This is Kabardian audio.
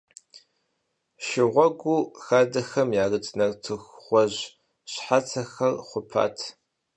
Шыгъуэгу хадэхэм ярыт нартыху гъуэжь щхьэцэхэр хъупат.